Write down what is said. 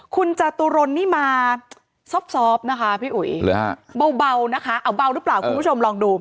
คุณจตุรนนี่มาซอบนะคะพี่อุ๋ยเบานะคะเอาเบาหรือเปล่าคุณผู้ชมลองดู